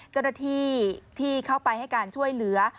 เจ้าหน้าที่ที่เข้าไปให้การช่วยเหลือ